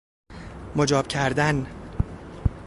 مجاب کردن